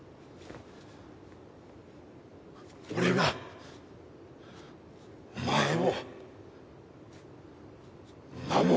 俺がお前を守る。